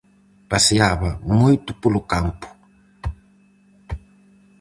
Paseaba moito polo campo.